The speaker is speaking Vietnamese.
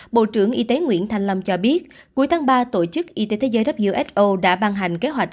bộ trưởng y tế nguyễn thanh lâm cho biết cuối tháng ba tổ chức y tế thế giới who đã ban hành kế hoạch